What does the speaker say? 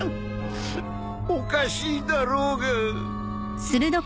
おかしいだろうが。